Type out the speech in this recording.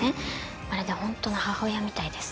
まるで本当の母親みたいです。